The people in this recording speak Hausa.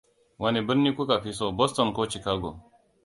Wani birni ku Ka fi so, Boston ko Chicago?